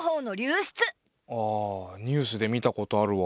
ああニュースで見たことあるわ。